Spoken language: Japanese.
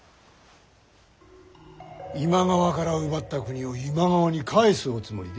今川から奪った国を今川に返すおつもりで？